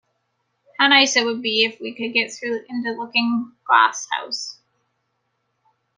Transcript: How nice it would be if we could get through into Looking-glass House!